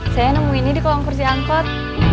saya nemu ini di kolom kursi angkot